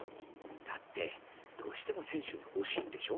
だってどうしても選手に欲しいんでしょ？